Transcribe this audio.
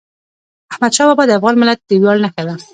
احمدشاه بابا د افغان ملت د ویاړ نښه ده.